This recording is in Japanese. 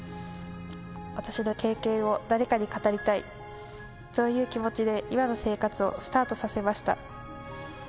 私の経験を誰かに語りたい、そういう気持ちで今の生活をスタートさせました。